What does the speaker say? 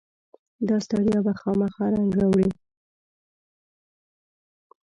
داستړیا به خامخا رنګ راوړي.